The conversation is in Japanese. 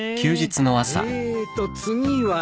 えっと次は。